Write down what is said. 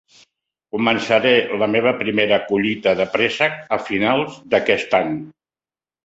Començaré la meva primera collita de préssec a finals d'aquest any.